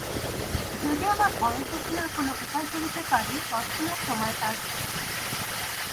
যদি আমার ভরণপোষণের কোন উপায় করিতে পারি, তৎক্ষণাৎ তোমায় তার করিব।